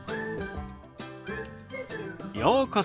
ようこそ。